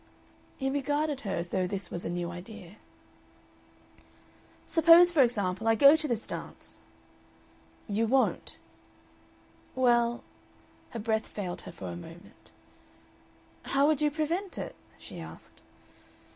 He regarded her as though this was a new idea. "Suppose, for example, I go to this dance?" "You won't." "Well" her breath failed her for a moment. "How would you prevent it?" she asked.